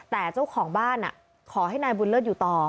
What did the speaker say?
แต่เจ้าของบ้านขอให้นายบุญเลิศอยู่ต่อ